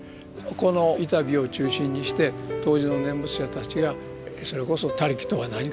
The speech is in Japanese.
この板碑を中心にして当時の念仏者たちがそれこそ他力とは何かとかね